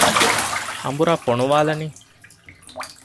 އަނބުރާ ފޮނުވާލަނީ؟